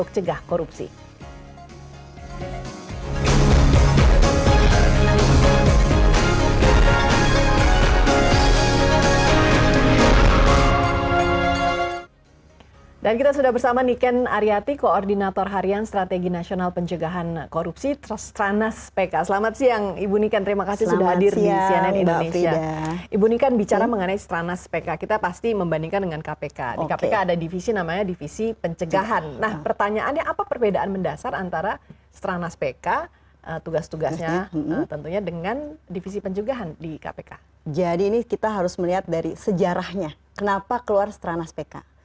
jadi ini kita harus melihat dari sejarahnya kenapa keluar stranas pekka